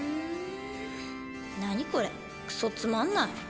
何これクソつまんない。